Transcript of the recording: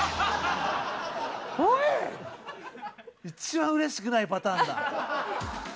一番嬉しくないパターンだ。